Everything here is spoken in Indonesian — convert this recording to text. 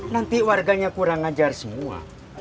nanti warganya kurang ngajar semua